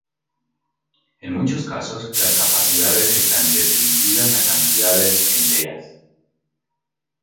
En muchos casos, las capacidades están restringidas a cantidades enteras.